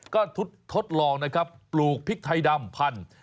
ก็ทดลองนะครับปลูกพริกไทยดำพันธุ์